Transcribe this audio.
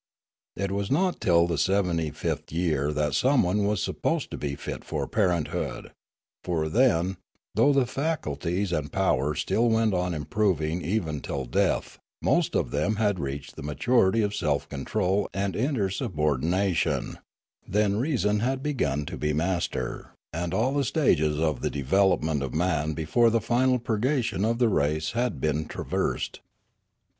It was not till the seventy fifth year that anyone was supposed to be fit for parenthood; for then, though the faculties and powers still went on improving even till death, most of them had reached the maturity of self control and inter subordination; then reason had begun to be master, and all the stages of the development of man before the final purgation of the race had been traversed.